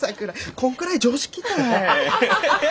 こんくらい常識たい。